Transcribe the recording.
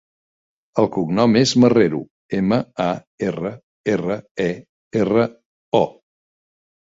El cognom és Marrero: ema, a, erra, erra, e, erra, o.